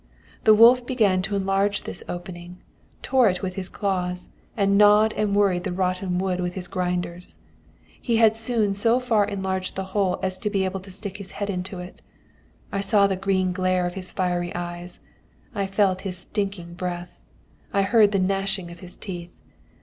The wolf began to enlarge this opening, tore it with his claws, and gnawed and worried the rotten wood with his grinders. He had soon so far enlarged the hole as to be able to stick his head into it. I saw the green glare of his fiery eyes; I felt his stinking breath; I heard the gnashing of his teeth.